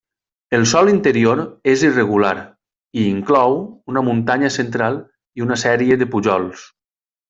El sòl interior és irregular, i inclou una muntanya central i una sèrie de pujols.